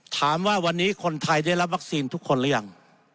ถามว่าวันนี้คนไทยได้รับวัคซีนทุกคนหรือยัง